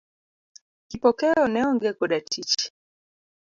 Kipokeo ne onge koda tich.